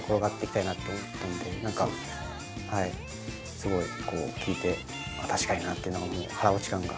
すごいこう聞いて確かになあっていうのがもう腹落ち感が。